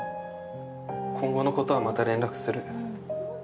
今後のことはまた連絡する。